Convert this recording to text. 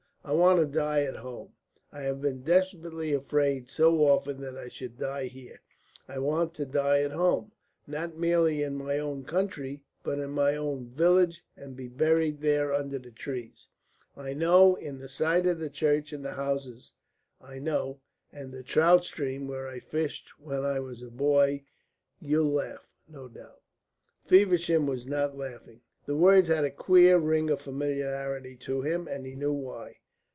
I want to die at home, and I have been desperately afraid so often that I should die here. I want to die at home not merely in my own country, but in my own village, and be buried there under the trees I know, in the sight of the church and the houses I know, and the trout stream where I fished when I was a boy. You'll laugh, no doubt." Feversham was not laughing. The words had a queer ring of familiarity to him, and he knew why.